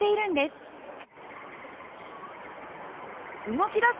動きだす